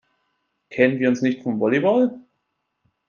Kennen wir uns nicht vom Volleyball?